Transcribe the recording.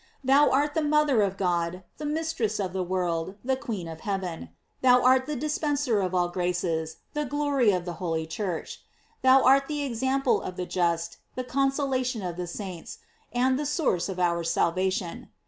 Thou art the mother of God, the mistress of the world, the queen of heaven. Thou art the dispenser of all graces, the glory of the holy Church. Thou art the example of the just, the consolation of the saints, and the source of our salvation.